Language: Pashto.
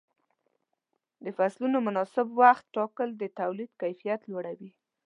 د فصلونو مناسب وخت ټاکل د تولید کیفیت لوړوي.